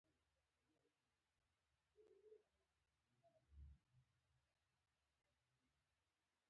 هغه د دوه ملتونو نظریه وړاندې کړه.